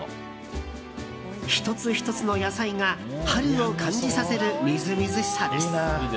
１つ１つの野菜が春を感じさせるみずみずしさです。